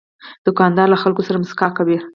دوکاندار له خلکو سره مسکا کوي.